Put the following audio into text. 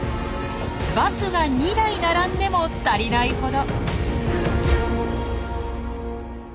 バスが２台並んでも足りないほど。